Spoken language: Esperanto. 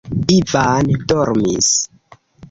Ivan dormis.